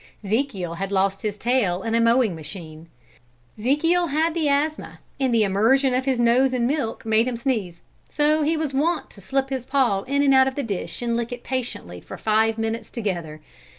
'Zekiel had lost his tail in a mowing machine; 'Zekiel had the asthma, and the immersion of his nose in milk made him sneeze, so he was wont to slip his paw in and out of the dish and lick it patiently for five minutes together.